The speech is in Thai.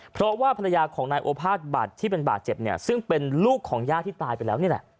เพราะว่าภรรยาของนายโอภาษบัตรที่เป็นบาดเจ็บเนี่ยซึ่งเป็นลูกของย่าที่ตายไปแล้วนี่แหละ